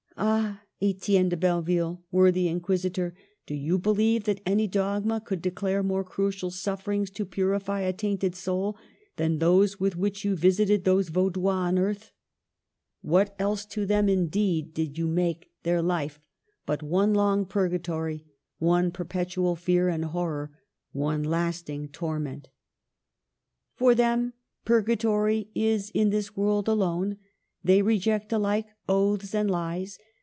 Ah ! Etienne de Belleville, worthy Inquisitor, do you believe that any dogma could declare more crucial sufferings to purify a tainted soul than those with which you visited these Vau dois on earth? What else to them, indeed, 260 MARGARET OF ANGOUL^ME. did you make their life but one long purga tory, one perpetual fear and horror, one lasting torment? " For them purgatory is in this world alone. They reject alike oaths and lies.